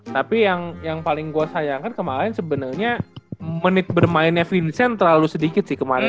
tapi yang paling gue sayangkan kemarin sebenarnya menit bermainnya vincent terlalu sedikit sih kemarin